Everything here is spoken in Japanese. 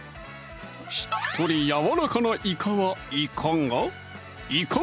しっとりやわらかないかはいかが？